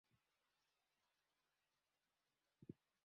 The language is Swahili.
Bizanti Jeshi la Bizanti lilishindwa kwa kukosa msaada wa